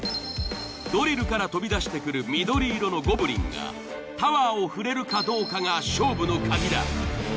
ドリルから飛び出してくる緑色のゴブリンがタワーを触れるかどうかが勝負の鍵だ。